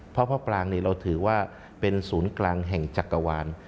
เพราะพระปรางนี่เราถือว่าเป็นศูนย์กลางแห่งจักรวาล